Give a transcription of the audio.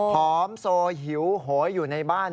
หอมโซหิวโหยอยู่ในบ้าน